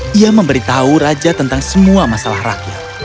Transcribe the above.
dia memberitahu raja tentang semua masalah rakyat